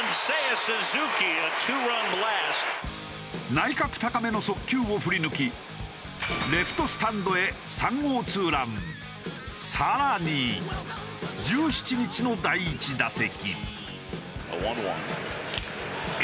内角高めの速球を振り抜きレフトスタンドへ１７日の第１打席。